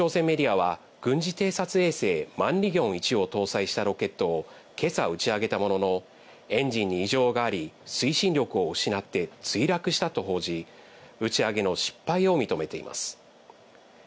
一方、北朝鮮メディアは軍事偵察衛星「マンリギョン１」を搭載したロケットを今朝打ち上げたものの、エンジンに異常があり、推進力を失って墜落したと報じ、打ち上げの失敗を認めています。